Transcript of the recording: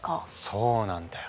そうなんだよ。